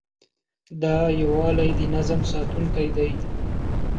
دا یووالی د نظم ساتونکی دی.